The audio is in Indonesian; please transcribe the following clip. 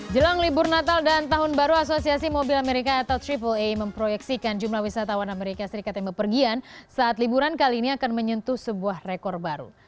jelang libur natal dan tahun baru asosiasi mobil amerika atau triple a memproyeksikan jumlah wisatawan amerika serikat yang berpergian saat liburan kali ini akan menyentuh sebuah rekor baru